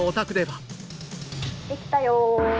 できたよー。